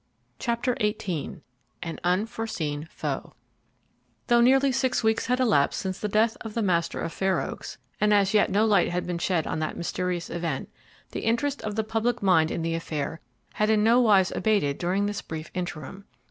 CHAPTER XVIII AN UNFORESEEN FOE Though nearly six weeks had elapsed since the death of the master of Fair Oaks, and as yet no light had been shed on that mysterious event, the interest of the public mind in the affair had in no wise abated during this brief interim.